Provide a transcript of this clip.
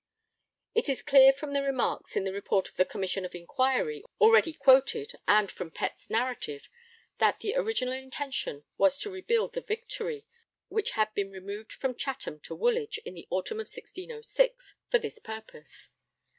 ] It is clear from the remarks in the Report of the Commission of Inquiry already quoted and from Pett's narrative that the original intention was to rebuild the Victory, which had been removed from Chatham to Woolwich in the autumn of 1606 for this purpose.